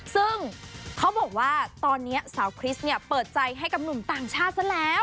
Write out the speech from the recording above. ซึ่งเขาบอกว่าตอนนี้สาวคริสเนี่ยเปิดใจให้กับหนุ่มต่างชาติซะแล้ว